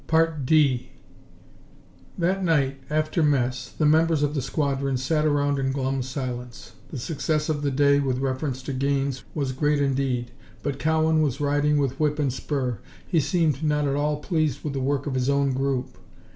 4 That night, after mess, the members of the squadron sat around in glum silence. The success of the day, with reference to gains, was great indeed, but Cowan was riding with whip and spur. He seemed not at all pleased with the work of his own group.